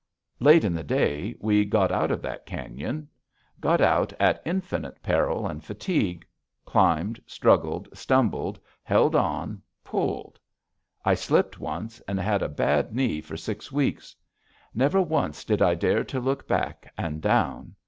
Late in the day, we got out of that cañon. Got out at infinite peril and fatigue, climbed, struggled, stumbled, held on, pulled. I slipped once and had a bad knee for six weeks. Never once did I dare to look back and down.